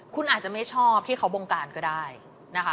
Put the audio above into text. คุณอาจจะไม่ชอบที่เขาบงการก็ได้นะคะ